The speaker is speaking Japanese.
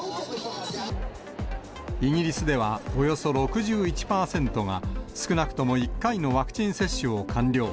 イギリスでは、およそ６１％が少なくとも１回のワクチン接種を完了。